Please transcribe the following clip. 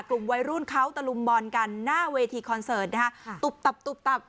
กลุ่มวัยรุ่นเขาตระลุมบอลกันหน้าเวทีคอนเสาร์ดนะฮะ